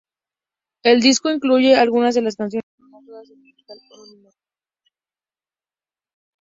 El disco incluye algunas de las canciones, pero no todas, del musical homónimo.